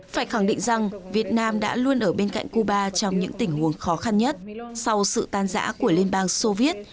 phải khẳng định rằng việt nam đã luôn ở bên cạnh cuba trong những tình huống khó khăn nhất sau sự tan giã của liên bang soviet